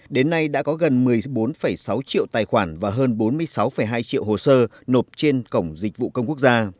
đến nay đã có gần một mươi bốn sáu triệu tài khoản và hơn bốn mươi sáu hai triệu hồ sơ nộp trên cổng dịch vụ công quốc gia